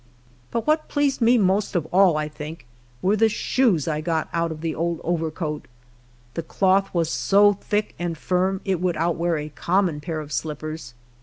But what pleased me most of all, I think, were the shoes I got out of the old overcoat. The cloth was so thick and iirm it would outwear a common pair of slippers.